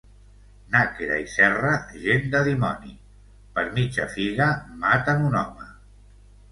Nàquera i Serra, gent de dimoni: per mitja figa maten un home.